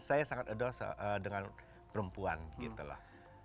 saya sangat addle dengan perempuan gitu loh